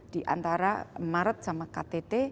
di antara maret sama ktt